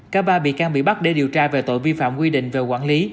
cả ba bị can bị bắt để điều tra về tội vi phạm quy định về quản lý